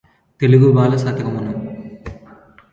తెలుగుబాల శతకమును